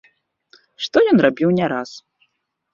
Што ён рабіў не раз.